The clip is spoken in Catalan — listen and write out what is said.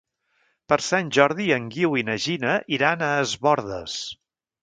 Per Sant Jordi en Guiu i na Gina iran a Es Bòrdes.